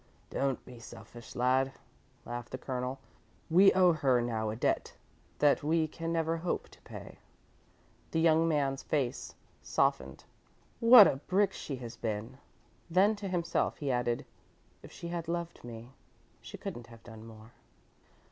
"Don't be selfish, lad," laughed the Colonel. "We owe her now a debt that we can never hope to pay." The young man's face softened. "What a brick she has been!" Then, to himself, he added: "if she had loved me, she couldn't have done more."